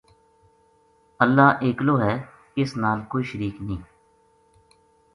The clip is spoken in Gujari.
اللہ ایلو ہے اس نال کوئی شریک نییہ